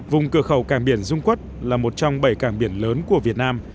vùng cửa khẩu cảng biển dung quất là một trong bảy cảng biển lớn của việt nam